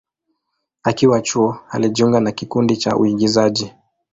Akiwa chuo, alijiunga na kikundi cha uigizaji.